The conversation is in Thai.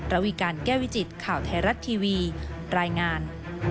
ระวีการแก้วิจิตข่าวไทยรัฐทีวีรายงาน